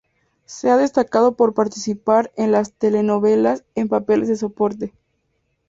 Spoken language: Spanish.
Se ha destacado por participar en las telenovelas en papeles de soporte.